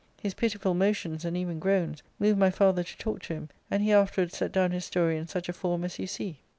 His pitiful motions, and even groans, moved my father to talk to him, and he afterwards set down his story in such a form as you see.''